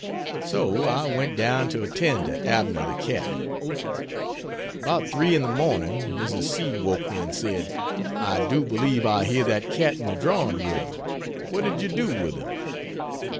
So I went down to attend to Abner (the cat.) About 3 in the morning Mrs. C. woke me and said, "I do believe I hear that cat in the drawing room what did you do with him?"